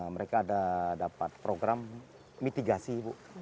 mereka ada dapat program mitigasi bu